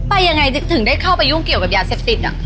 ไปยังไงถึงได้เข้าไปยุ่งเกี่ยวกับยาเซฟไซด์อ่ะ